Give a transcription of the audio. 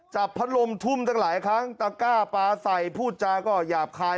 จับพัดลมทุ่มตั้งหลายครั้งตะก้าปลาใส่พูดจาก็หยาบคาย